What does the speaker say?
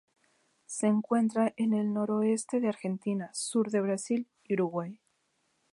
Se encuentra en el noreste de Argentina, sur de Brasil y Uruguay.